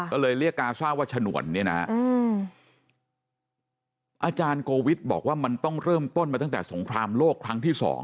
ก็เลยเรียกกาซ่าว่าฉนวนเนี่ยนะฮะอาจารย์โกวิทย์บอกว่ามันต้องเริ่มต้นมาตั้งแต่สงครามโลกครั้งที่๒